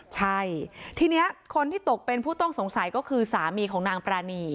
ใช่ทีนี้คนที่ตกเป็นผู้ต้องสงสัยก็คือสามีของนางปรานี